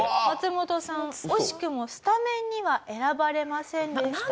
マツモトさん惜しくもスタメンには選ばれませんでした。